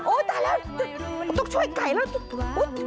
โอ๊ยตายแล้วต้องช่วยไก่แล้ว